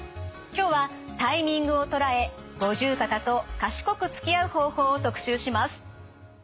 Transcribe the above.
今日はタイミングを捉え五十肩と賢くつきあう方法を特集します。